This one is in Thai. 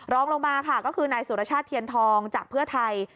รองลงมาค่ะก็คือนายสุรชาติเทียนทองจากเพื่อไทย